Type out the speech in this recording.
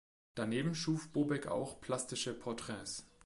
Daneben schuf Bobek auch plastische Porträts.